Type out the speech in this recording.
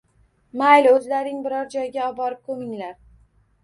Mayli, o‘zlaring biron joyga oborib ko‘minglar